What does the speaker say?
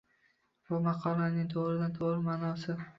Bu maqolning to`g`ridan-to`g`ri ma`nosi